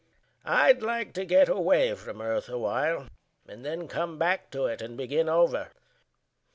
I'd like to get away from earth awhile And then come back to it and begin over.